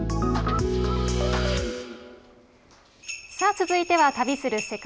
続いては「旅する世界」。